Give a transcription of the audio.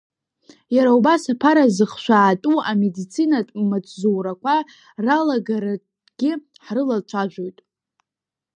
Иара убас, аԥара зыхшәаатәу амедицинатә маҵзурақәа ралагаларагьы ҳрылацәажәоит.